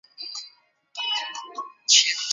阿拉佩什语亦有名词化的动词。